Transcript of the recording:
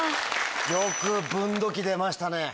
よく「分度器」出ましたね。